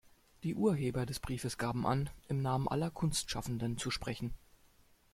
Die Urheber des Briefes gaben an, im Namen aller Kunstschaffenden zu sprechen.